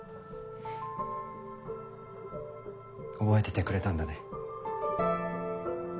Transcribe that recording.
覚えててくれたんだね。